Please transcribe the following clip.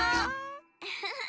ウフフッ。